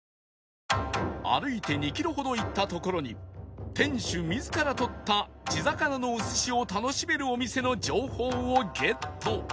歩いて２キロほど行った所に店主自ら取った地魚のお寿司を楽しめるお店の情報をゲット